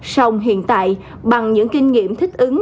sông hiện tại bằng những kinh nghiệm thích ứng